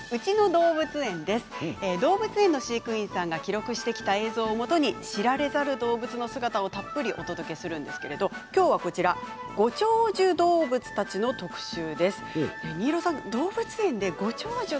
動物園の飼育員さんが記録してきた映像をもとに知られざる動物の姿をたっぷりお届けするんですけれどもきょうはご長寿